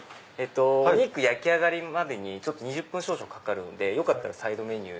お肉焼き上がりまでに２０分少々かかるんでよかったらサイドメニュー。